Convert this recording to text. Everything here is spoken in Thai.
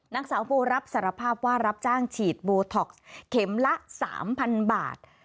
นางสาวโบรับสารภาพว่ารับจ้างฉีดโบท็อกซ์เข็มละ๓๐๐๐บาท